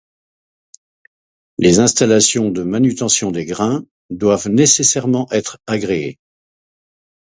Les installations de manutention des grains doivent nécessairement être agréées.